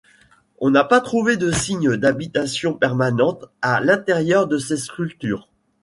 On n'a pas trouvé de signes d'habitation permanente à l'intérieur de ces structures.